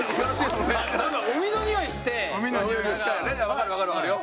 わかるわかるわかるよ。